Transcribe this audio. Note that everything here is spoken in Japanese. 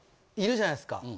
いるじゃないですか。